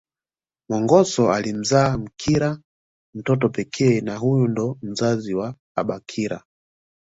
Mongoso alimzaa Mkira mtoto pekee na huyu ndo mzazi wa abakira